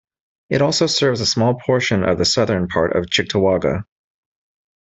It also serves a small portion of the southern part of Cheektowaga.